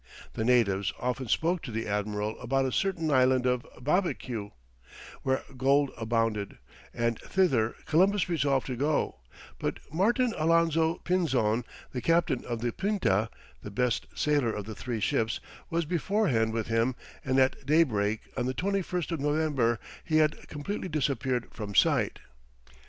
The natives often spoke to the admiral about a certain island of Babeque, where gold abounded, and thither Columbus resolved to go, but Martin Alonzo Pinzon, the captain of the Pinta, the best sailer of the three ships, was beforehand with him, and at day break on the 21st of November, he had completely disappeared from sight.